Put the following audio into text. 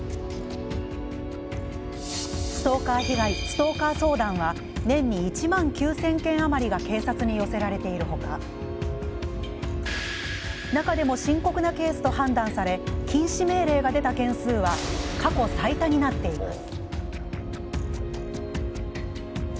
ストーカー相談は年に１万９０００件余りが警察に寄せられている他中でも深刻なケースと判断され禁止命令が出た件数は過去最多になっています。